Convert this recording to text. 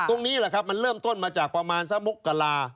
ตรงนี้แหละครับมันเริ่มต้นมาจากประมาณสักมุกกรา